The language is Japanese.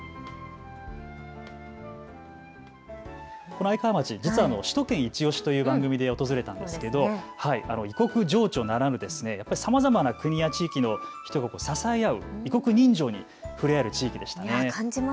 この愛川町、実は首都圏いちオシ！という番組で訪れたんですが異国情緒ならぬ、さまざまな国や地域の人が支え合い、異国人情に触れ合える地域でした。